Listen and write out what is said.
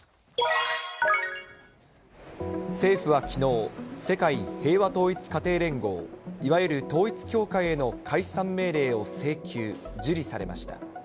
政府はきのう、世界平和統一家庭連合、いわゆる統一教会への解散命令を請求、受理されました。